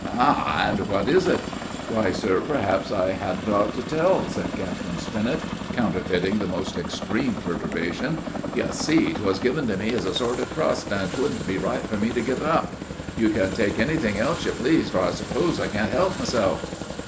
"Ha! and what is it?" "Why, sir, perhaps I hadn't ought to tell," said Captain Spinnet, counterfeiting the most extreme perturbation. "You see, 'twas given to me as a sort of trust, an' 't wouldn't be right for me to give up. You can take any thing else you please, for I s'pose I can't help myself."